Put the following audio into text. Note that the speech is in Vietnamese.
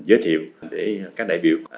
giới thiệu để các đại biểu